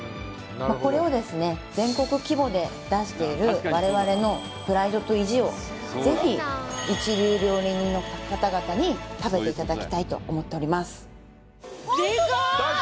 これをですね全国規模で出している我々のプライドと意地をぜひ一流料理人の方々に食べていただきたいと思っております・